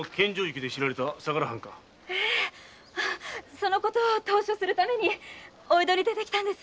そのことを投書するためにお江戸に出てきたんです。